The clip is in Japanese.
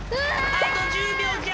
あと１０秒じゃ！